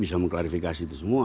bisa mengklarifikasi itu semua